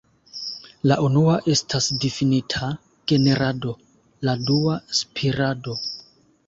La unua estas difinita "generado", la dua "spirado".